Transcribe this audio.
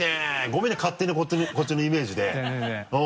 ごめんね勝手にこっちのイメージで全然全然。